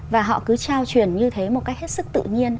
và họ cứ trao truyền như thế một cách hết sức tự nhiên